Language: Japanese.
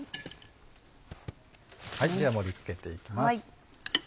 では盛り付けていきます。